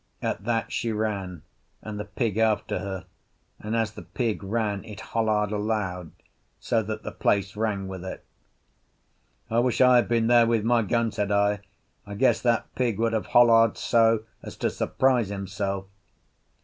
At that she ran, and the pig after her, and as the pig ran it holla'd aloud, so that the place rang with it. "I wish I had been there with my gun," said I. "I guess that pig would have holla'd so as to surprise himself."